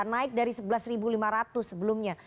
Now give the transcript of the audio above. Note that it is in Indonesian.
naik dari rp sebelas lima ratus sebelumnya